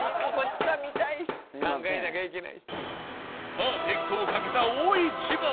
パーフェクトをかけた大一番